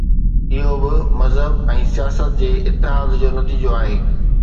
اهو به مذهب ۽ سياست جي اتحاد جو نتيجو آهي.